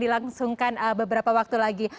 dilangsungkan beberapa waktu lagi